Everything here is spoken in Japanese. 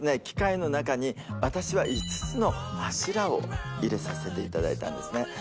機械の中に私はを入れさせていただいたんですね